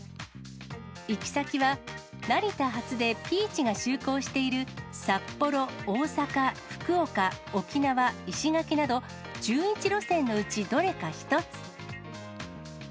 行き先は、成田発でＰｅａｃｈが就航している札幌、大阪、福岡、沖縄、石垣など１１路線のうちどれか１つ。